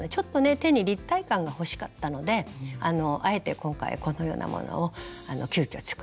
手に立体感が欲しかったのであえて今回このようなものを急きょ作らせて頂きました。